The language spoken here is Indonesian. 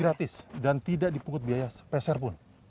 gratis dan tidak dipungut biaya spesial pun